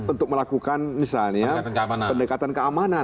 untuk melakukan misalnya pendekatan keamanan